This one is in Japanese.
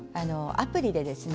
アプリでですね